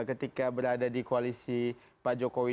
ketika berada di koalisi pak jokowi